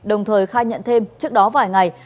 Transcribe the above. đồng thời khai nhận thêm trước đó vài ngày